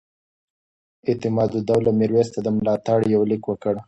اعتمادالدولة میرویس ته د ملاتړ یو لیک ورکړ.